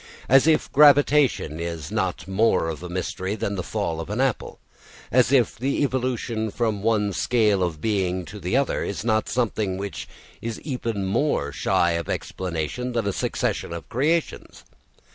As if gravitation is not more of a mystery than the fall of an apple, as if the evolution from one scale of being to the other is not something which is even more shy of explanation than a succession of creations.